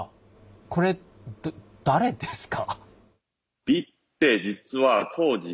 これ誰ですか？